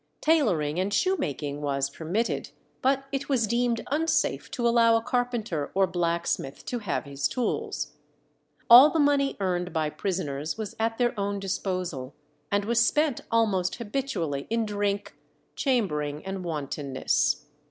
Tailoring and shoemaking was permitted, but it was deemed unsafe to allow a carpenter or blacksmith to have his tools. All the money earned by prisoners was at their own disposal, and was spent almost habitually in drink, chambering, and wantonness.